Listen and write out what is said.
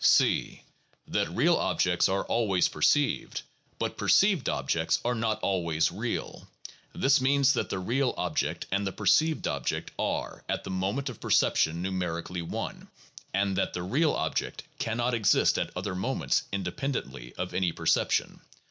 C. That real objects are always perceived, but perceived objects are not always real. This means that the real object and the per ceived object are, at the moment of perception, numerically one, and that the real object can not exist at other moments independently of any perception.